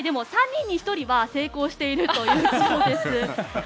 ３人に１人は成功しているということです。